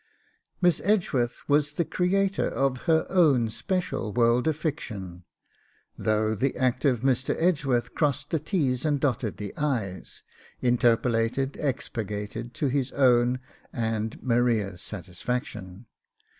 Miss Edgeworth was the creator of her own special world of fiction, though the active Mr. Edgeworth crossed the t's and dotted the i's, interpolated, expurgated, to his own and Maria's satisfaction.